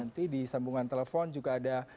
dan nanti di sambungan telepon juga ada